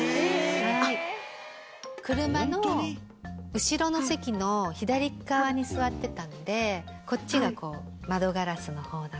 車の後ろの席の左側に座ってたのでこっちがこう窓ガラスの方だったんだけど。